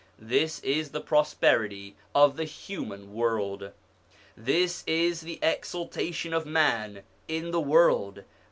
This is the prosperity of the human world ! This is the exaltation of man in the world